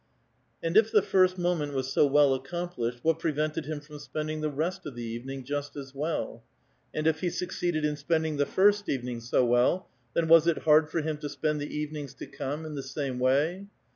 And if the first moment was so well accomplished, what prevented him from spending the rest of the evening just as well? And if he succeeded in spending the first evening so well, then was it hard for him to spend the evenings to come in the same way?